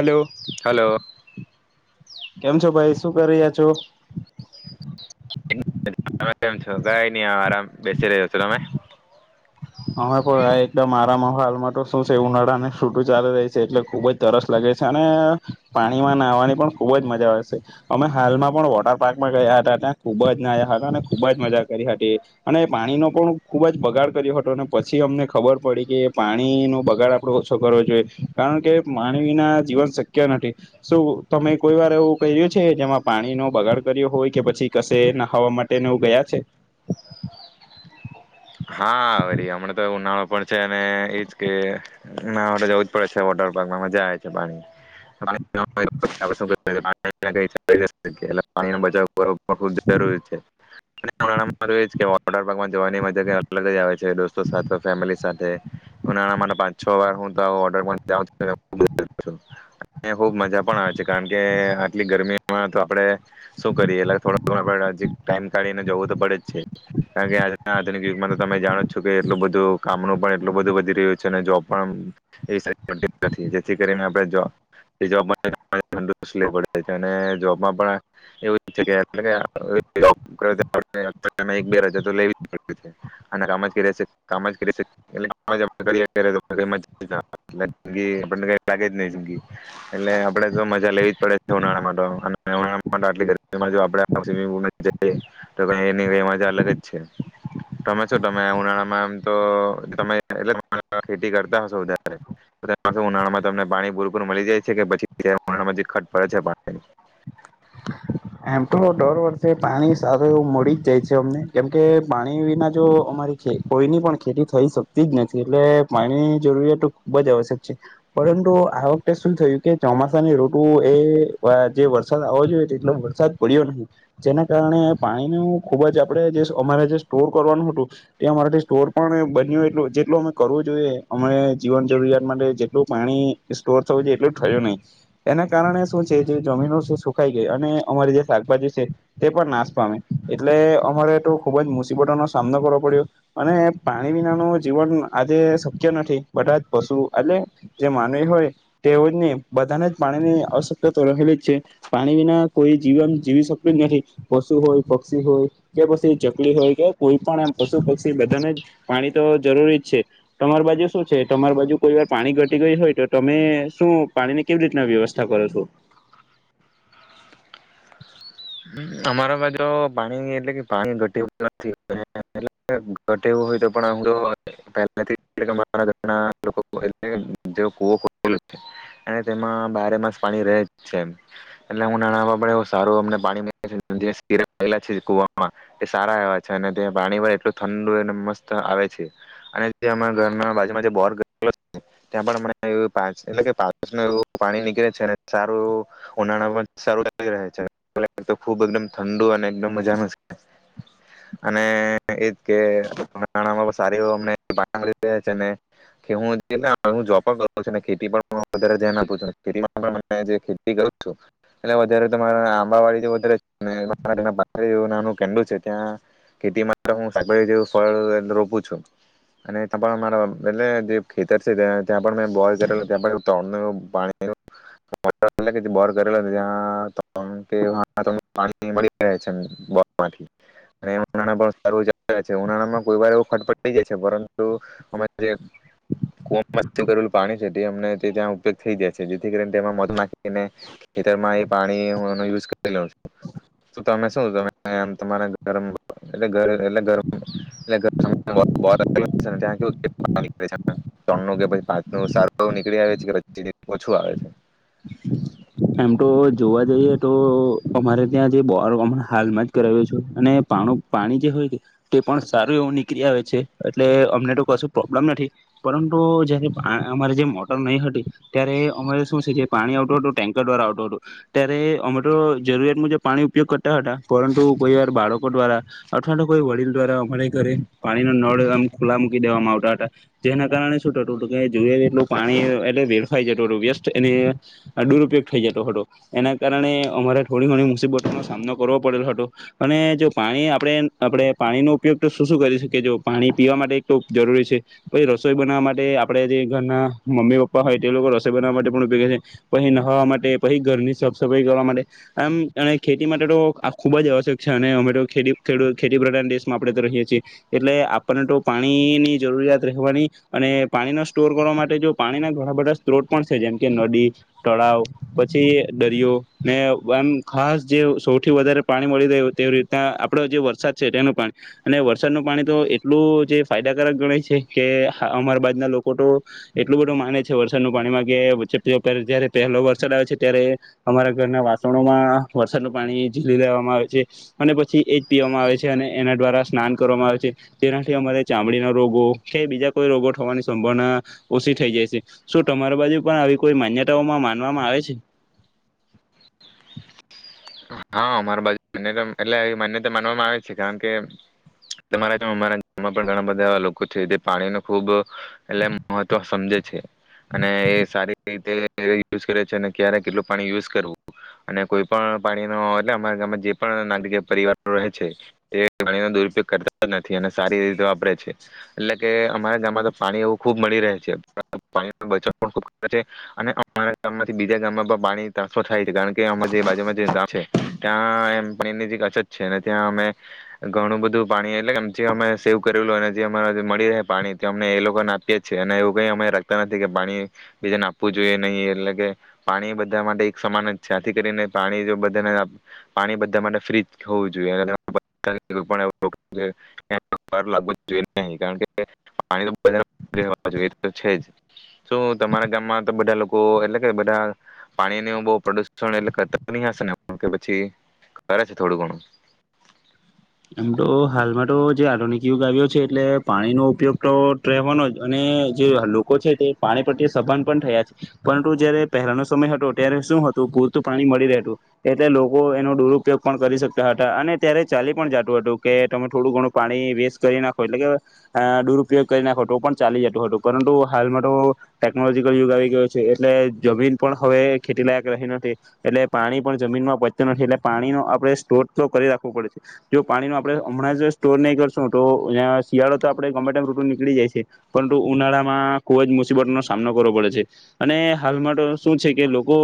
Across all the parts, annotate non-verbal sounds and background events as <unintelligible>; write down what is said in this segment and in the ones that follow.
Hello. Hello. કેમ છો ભાઈ શું કરી રહ્યા છો? તમે કેમ છો? કંઈ નહી, આરામ બેસી રહ્યો છો તમે? - અમે પણ આ એકદમ આરામ માં હાલમાં તો શું છે ઉનાળાને છૂટું ચાલી રહી છે એટલે ખુબ જ તરસ લાગે છે અને, પાણીમાં નાહવાની પણ ખુબ જ મજા આવે છે, અમે હાલમાં પણ વોટર પાર્કમાં ગયા હતા ત્યાં ખુબ જ નાયા હતા અને ખુબ જ મજા કરી હતી, અને પાણીનો પણ ખુબ જ બગાડ કર્યો હતો. પછી અમને ખબર પડી કે પાણીનો બગાડ આપડો ઓછો કરવો જોઈએ, કારણ કે પાણીના જીવન શક્ય નથી. શું તમે કોઈ વાર એવું કર્યું છે જેમાં પાણીનોો બગાડ કર્યો હોય કે? પછી કશે ના ખાવા માટે ગયા છે. હા વળી અમણા તો ઉનાળો પણ છે અને એજ કે ના માટે જવું જ પડે છે વોટર પાર્કમાં મજા આવે છે, પાણી પાણી ન બચાવ <unintelligible> વોટરપાર્કમાં જવાની મજા જ અલગ અલગ જ આવે છે દોસ્તો સાથ ફેમિલી સાથે, હું નાના મારા પાંચ છ વાર હું તો ઓડ જાઉં છું, ખુબ મજા પણ આવે છે, કારણકે આટલી ગરમીમાં તો આપણે શું કરીએ એટલે થોડા પડ્યા છે ટાઈમ કાઢીને જવો તો પડે જ છે, કારણ કે આજના આધુનિક યુગમાં તો તમે જાણો છો કે એટલું બધું કામનું પણ એટલું બધું વધી રહ્યું છે અને જોબ પણ એ, જેથી કરી અને જોબમાં પણ એવું જ કે <unintelligible> એન તમે લાગે જ નહી જગી એટલે આપે તો મજા લેવી જ પડે છે ઉનાળા માટે અને ઉનાળામા આપમુલ તો કની મજા અલગ જ છે. <unintelligible> તમે શું તમે ઉનાળામાં આમ તો તમે એટલે ખેતી કરતા હશો વધારે, ઉનાળામાં તમને પાણી ભૂરપૂર મળી જાય છે કે પછી ઉનાળામાં ખટ પડે છે પાણી? આમ તો દર વર્ષે પાણી સારું એવું મળી જ જાય છે અમને, કેમકે પાણી વિના જો અમારી કોઈની પણ ખેતી થઈ શકતી જ નથી, એટલે પાણીની જરૂરિયાત ખુબ જ આવશ્યક છે, પરંતુ આ વખતે શું થયું કે ચોમાસાની ઋતુ એ જે વરસાદ આવો જોઈએ તેટલો વરસાદ પડ્યો નહી, જેના કારણે પાણીનું ખૂબ જ આપણે જે અમારે જે સ્ટોર કરવાનું હતું, તે અમારાથી સ્ટોર પણ બન્યું એટલ જેટલું અમે કરવું જોઈએ અમે જીવન જરૂરિયાત માટે જેટલું પાણી સ્ટોર થવું જોઈએ એટલું થું નહીં, એના કારણે શું છે જે જમીનો સુખાઈ ગઈ અને અમારી જે શાકભાજી છે, તે પણ નાશ પામે, એટલે અમારે તો ખુબ જ મુસીબતોનો સામનો કરવો પડ્યો, અને પાણી વિના ન જીવન આજે શક્ય નથી, બધા જ પશુ, એટલે જે માનવી હોય તેઓને બધાને જ પાણીની અશક્ય તો રહેલી છે, પાણી વિના કોઈ જીવન જીવી શકતું જ નથી, પશુ હોય પક્ષી હોય કે પછી ચકલી હોય કે કોઈ પણ એમ પશુ પક્ષી બધાને પાણી તો જરૂરી જ છે, તમારી બાજુ શું છે તમારી બાજુ કોઈ વાર પાણી ઘટી ગઈ હોય તો તમે શું પાણીની કેવી રીતના વ્યવસ્થા કરો છો? અમારા બાજુ પાણી એટલે કે પાણી ઘટે એવુ નથી, ઘટે એવુ હોય તો પણ તેમાં બારેમાસ પાણી જ છે, એટલે ઉનાળામાં અમને એવું સારો પાણી <unintelligible> રાલા છે કુવામાં એ સારા એવા છે, અને ત્યાં પાણી પણ એટલું ઠંડુ અને મસ્ત આવે છે, અને જે અ ઘર બાજુમાં જે બોર ત્યાં પણ એટલે પાવ પાણી નીકળે છે, સારું ઉનાળા સારું છે. <unintelligible> ઠંડુ અનેમ મજાનું, અને એજ કેમાં સું છ ખે વધ ધ્યાન આપું છું ખ ખે કરું એટ વધરા આંબા વાડી <unintelligible> તેઓ છે ત્યાં ખેતી હું ફળ રોપું છું અને ત પણ મારા એટ જે ખેતર છે ત્યાં પણ મે બોર કરે ત્યા બી કરેલો.. <unintelligible> મળથી ઉનાળામાં કોઈ વાર એવ ખટફટ થઈ જાય છે, પરંતુ અ જે કરલું પાણી છે તે અમ્યાં ઉપયોગ થઈ જાય છે, જેથી કરીને તે મધ નાખીને ખેત પાણી <unintelligible> <unintelligible> એમ તો જોવા જઈએ તો અમારે ત્યાં જે બોર હાલમાં જ કરાવ્યો છું, અને પાણું પાણી જે હોય તે પણ સારું એવું નીકળી આવે છે એટલે અમને તો કશું પ્રોબ્લેમ નથી, પરંતુ જયારે પા અમારે જે મોટર નહીં હતી, ત્યારે અમારે શું છે કે પાણી આવતું હતું, ટેન્ક માં સવારે આવતું હતું, ત્યારે અમે તો જરૂરિયાત મુજબ પાણી ઉપયોગ કરતા હતા, પરંતુ કોઈ વાર બાળકો દ્વારા, અથવા તો કોઈ વડીલ દ્વારા અમારા ઘરે પાણી ન નળ આમ ખુલ્લા મૂકી દેવામાં આવતા હતા, જેના કારણે શું થતું હતું જોઈએ એટલું પાણી એટલે વેરફાઈ જતું હતું વ્યસ્ત એ દુરપયોગ થઈ જતો હતો, એના કારણે અમારે થોડી ઘણી મુસીબતોનો સામનો કરવો પડેલો હતો. અને જો પાણી આપણે આપણે પાણીનો ઉપયોગ તો શું શું કરી શકીએ? જો પાણી પીવા માટે એક તો જરૂરી છે, પછી રસોઈ બનાવવા માટે આપણે જે ઘરના મમ્મી પપ્પા હોય તે લોકો રસોઈ બનાવવા માટે પણ ઉપયોગ કરે છે, પછી નાહવા માટે પછી ઘરની સાફ સફાઈ કરવા માટે, આમ અને ખેતી માટે તો આ ખુબ જ આવશ્યક છે. અને અમે તો ખેતી પ્રધાન દેશમાં આપણે તો રહીએ છીએ એટલે આપણને તો પાણીની જરૂરિયાત રહેવાની. અને પાણીનો સ્ટોર કરવા માટે જો પાણીના ઘણા બધા સ્ત્રોત પણ છે, જેમ કે નદી, તળાવ પછી દરિયો ને આમ ખાસ જે સૌથી વધારે પાણી મળી રહે તેવી રીતના આપડો જે વરસાદ છે, તેનું પાણી અને વરસાદનું પાણી તો એટલું જે ફાયદાકારક ગણે છે કે અમારા બાજના લોકો તો, એટલું બધું માને છે, વરસાદનું પાણીમાં કેચ જયારે પહેલો વર્ષ ચલાવે છે ત્યારે, અમારા ઘરના વાસણોમાં વરસાદનું પાણી ઝીલી લેવામાં આવે છે અને પછી એજ પીવામાં આવે છે અને એના દ્વારા સ્નાન કરવામાં આવે છે, જેનાથી અમારે ચામડીના રોગો કે બીજા કોઈ રોગો થવાની સંભાવના ઓછી થઈ જાય છે, શું તમારા બાજુ પણ આવી કોઈ માન્યતાઓમાં મા માનવામાં આવે છે? હા, અમારા બાજુ મા એટલે એ માન્યતા માનવામાં આવે છે કારણ કે, તમારા અમારા ગામમાં પણ ઘણા બધા એવા લોકો છે જે પાણી ને ખુબ એટલે મહત્વ સમજે છે, અને એ સારી રીતે યુઝ કરે છે, અને ક્યારે કેટલું પાણી યુઝ કરવું અને કોઈ પણ પાણી ન એટલે અમારા ગામમાં જે પણ નાગરિક પરિવારો રહે છે, એ પાણીનો દુરુપયોગ કરતા જ નથી અને સારી રીતે વાપરે છે. એટલે કે અમારા ગામમાં તો પાણી એવું ખુબ મળી રહે છે, પાણી પણ ખૂબ છે અને અમારા ગામ માંથી બીજા ગામમાં પણ પાણી ટ્રાસફર થાય છે, કારણ કે આમા જે બાજુમાં છે. ત્યાં એમ પાણીની જીરીક અછત છે અને ત્યાં અમે ઘણું બધું પાણી એટલે કે જે અમે સેવ કરેલો અને જે અમાર મળી રહે પાણી તે અમને એ લોકોને આપીએ છે, અને એવું કંઈ અમે રાખતા નથી કે પાણી બીજાને આપવું જોઈએ નહીં એટલે કે પાણી બધા માટે એક સમાન જ છે, આથી કરીને પાણી જો બધાને પાણી બધા માટે ફ્રીજ જ હોવું જોઈએ અને <unintelligible> જે <unintelligible> કારણ કે તે પાણીનું બધાને <unintelligible> આપવા જોઈએ છે જ. તો તમારા ગામમાં તો બધા લોકો એટલે કે બધા પાણીનું બહું પ્રદુષણ એટલે કરતા હશે ને કે પછી કરે છે થોડું ઘણું? આમ તો હાલમાં તો જે આધુનિક યુગ આવ્યો છે એટલે પાણીનો ઉપયોગ તો રહેવાનો જ અને જે આ લોકો છે તે પાણી પ્રત્યે સભાન પણ થયા છે, પરંતુ જયારે પહેલાનો સમય હતો ત્યારે શું હતું પૂરતું પાણી મળી રહેતું એટલે લોકો એનો દુરુપયોગ પણ કરી શકતા હતા અને ત્યારે ચાલી પણ જાતું હતું કે તમે થોડું ઘણું પાણી વેસ્ટ કરી નાખો એટલે કે અહ દુરુપયોગ કરી નાખો તો પણ ચાલી જતું હતું પરંતુ હાલમાં તો ટેકનોલોજીકલ યુગ આવી ગયો છે એટલે જમીન પણ હવે ખેતીલાયક રહેતી નથી એટલે પાણી પણ જમીનમાં પચતું નથી એટલે પાણીનો આપણે સ્ટોર તો કરી રાખવું પડે જો પાણી નો આપણે હમણાં જ સ્ટોર નહીં કરશું તો યા શિયાળો તો આપણે ગમે તેમ ૠતું નીકળી જાય છે પરંતુ ઉનાળામાં ખુબ જ મુસીબતનો સામનો કરવો પડે છે અને હાલમાં તો શું છે કે લોકો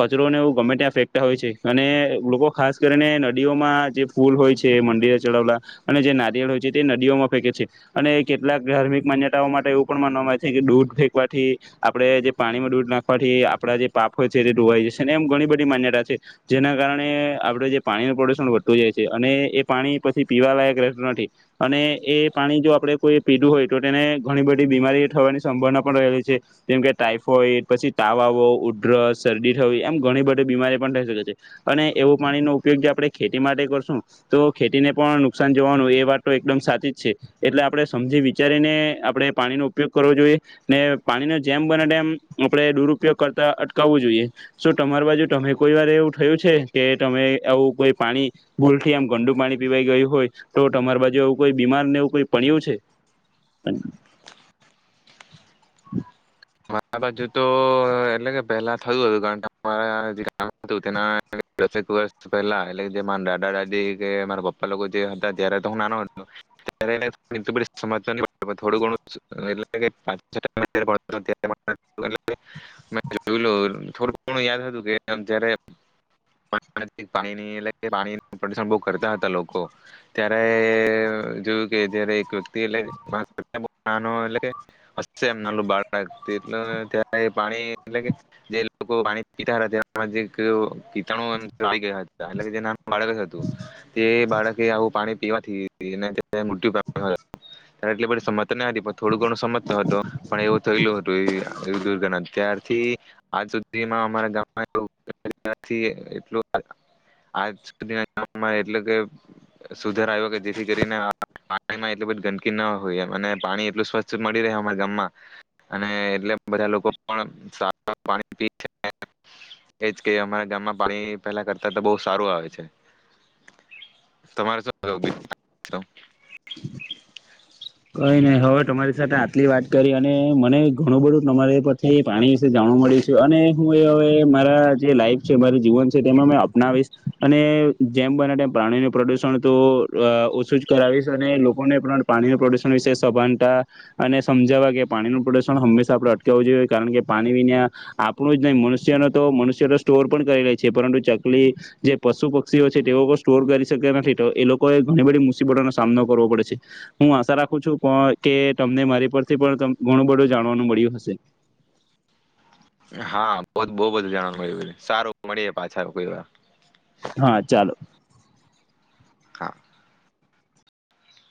કચરોને એવું ગમે ત્યાં ફેંકતા હોય છે અને લોકો ખાસ કરીને નદીઓમાં જે ફૂલ હોય છે એ મંદિરે ચડાવલા અને જે નારિયેળો જે તે નદીઓમાં ફેંકે છે અને કેટલાક ધાર્મિક માન્યતાઓ માટે એવું પણ માનવામાં આવે છે કે દૂધ ફેંકવાથી આપણે જે પાણીમાં દૂધ નાખવાથી આપણા જે પાપો છે તે ધોવાઈ જશે ને એમ ઘણી બધી માન્યતાઓ છે. જેના કારણે આપણેે જે પાણીનું પ્રદુષણ વધતું જાય છે અને એ પાણી પછી પીવાલાયક રહેતું નથી અને એ પાણી જો આપણે કોઈએ પીધું હોય તો તેને ઘણી બધી બીમારી થવાની સંભાવના પણ રહેલી છે, જેમકે ટાઈફોઈડ, પછી તાવા આવો, ઉધરસ, શરદી થવી એમ ઘણી બધી બીમારી પણ થઈ શકે છે, અને એવો પાણીનો ઉપયોગ જે આપણે ખેતી માટે પણ તો ખેતીને પણ નુકસાન થવાનું એ વાત તો એકદમ સાચી જ છે, એટલે આપણે સમજી વિચારીને આપણે પાણીનો ઉપયોગ કરવો જોઈએ ને પાણીને જેમ બને તેમ આપણે દુરુપયોગ કરતા અટકાવવું જોઈએ. શું તમારે બાજુ તમે કોઈ વાર એવું થયું છે કે તમે આવું કોઈ પાણી ભૂલ થી આમ ગંદુ પાણી પીવાઈ ગયું હોય તો તમારી બાજુ એવું કોઈ બીમાર ને એવું કોઈ પડ્યો છે? મારા બાજુ તો અહ એટલે કે પહેલા થયું હતું કારણ કે અમારા જે ગામ જે <unintelligible> હતું તેના દસેક વર્ષ પહેલા એટલે જે મારા દાદા દાદી કે મારા પપ્પા લોકો જે હતા ત્યારે તો હું નાનો હતો ત્યારે એને એટલી બધું સમજ પડતું થોડું ઘણું <unintelligible> એટલે કે <unintelligible> <unintelligible> મેં જોયલું થોડું ઘણું યાદ હતું કે જ્યારે <unintelligible> પાણી એતલે પાણીનું પ્રદૂષણ બવ કરતા હતા લોકો ત્યારે અહ જોયું કે જયારે એક <unintelligible> નાનો એટલે કે હશે નાનલો બાળ એટલે ત્યારે પાણી એટલે કે જે લોકો પાણી પીતા હતા <unintelligible> કીટાણુ ગયા હતા એટલે તેના બાળક જ હતું, તે બાળકે આવું પાણી પીવાથી તેને મૃત્યુ થયો હતો એટલે બધી સમજ તો ના હતી પણ થોડો ઘણો સમજતો હતો પણ એવ થયેલુ હતું એ તેના ત્યારથી આજ સુધીમાં અમારા ગામમાં <unintelligible> આજ સુધીના ગામમાં એટલે કે સુધાર આવ્યો કે જેથી કરીને <unintelligible> પાણીમાં એટલી બધી ગંદકી ન હોય અને પાણી એટલું સ્વચ્છ મળી રહે અમારા ગામમાં અને એટલે બધા લોકો પણ સાફ પાણી પીએ છે, એજ કે અમારા ગામમાં પાણી પેલા કરતા તો બહું સારું આવે છે. તમારે શું <unintelligible> કંઈ નહી હવે તમારી સાથે આટલી વાત કરી અને મને ઘણું બધું તમારી પરથી પાણી વિશે જાણવા મળ્યું છે અને હું એ હવે મારા જે લાઈફ છે મારું જીવન છે તેમાં મેં અપનાવીશ અને જેમ બને તેમ પ્રાણીનું પ્રદુષણ તો અહ ઓછું જ કરાવીશ અને લોકોને પણ પાણીનું પ્રદુષણ ષણ વિશે સભાનતા અને સમજાવવા કે પાણીનું પ્રદુષણ હંમેશા આપણે અટકાવું જોઈએ, કારણ કે પાણી વિના આપણું જ નહીં મનુષ્યનો તો મનુષ્ય સ્ટોર પણ કરી રહે છે, પરંતુ ચકલી જે પશુ પક્ષીઓ છે તેઓ લોકો સ્ટોર કરી શકે નથી તો એ લોકોએ ઘણી બધી મુસીબતોનો સામનો કરવો પડે છે. હું આશા રાખ ખું છું પણ કે તમને મારી પરથી પણ તમ ઘણું બધું જાણવાનું મળ્યું હશે. હા બ બહું બધું જાણવા મળ્યું, સારું મળીએ પાછા કોઈ વાર. હા ચાલો. હા.